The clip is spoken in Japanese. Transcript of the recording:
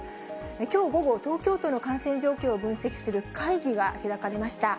きょう午後、東京都の感染状況を分析する会議が開かれました。